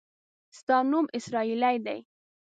ستا نوم اسراییلي دی.